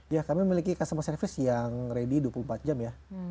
ya kami memiliki customer service yang ready dua puluh empat jam ya